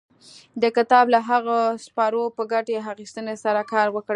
د کتاب له هغو څپرکو په ګټې اخيستنې سره کار وکړئ.